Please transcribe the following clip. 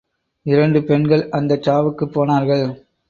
இரண்டு பெண்கள் அந்தச் சாவுக்குப் போனார்கள்.